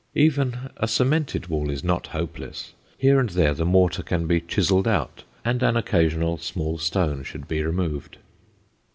Even a cemented wall is not hopeless; here and there the mortar can be chiseled out and an occasional small stone should be removed.